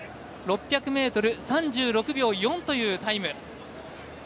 ６００ｍ３６秒４というタイム。